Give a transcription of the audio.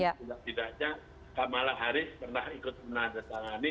tidak tidaknya kamala harris pernah ikut menandatangani